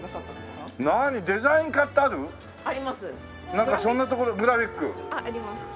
なんかそんなところグラフィック？あります。